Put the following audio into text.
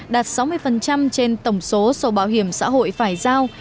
đạt sáu mươi trên tổng số sổ bảo hiểm xã hội phải giao